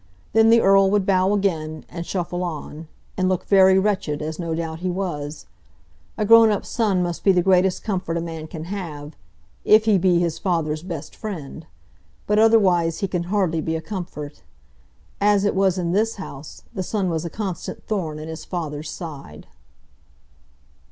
Then the Earl would bow again, and shuffle on, and look very wretched, as no doubt he was. A grown up son must be the greatest comfort a man can have, if he be his father's best friend; but otherwise he can hardly be a comfort. As it was in this house, the son was a constant thorn in his father's side.